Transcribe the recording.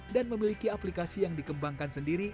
dan memiliki aplikasi yang dikembangkan sendiri